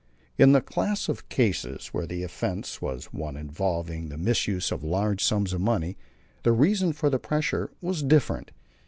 In the class of cases where the offense was one involving the misuse of large sums of money the reason for the pressure was different.